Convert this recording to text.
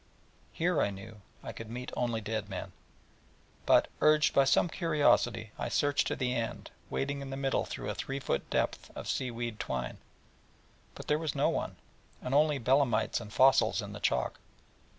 Here, I knew, I could meet only dead men, but urged by some curiosity, I searched to the end, wading in the middle through a three feet depth of sea weed twine: but there was no one; and only belemnites and fossils in the chalk.